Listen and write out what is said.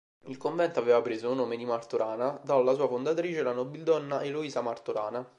Il convento aveva preso nome di Martorana dalla sua fondatrice, la nobildonna Eloisa Martorana.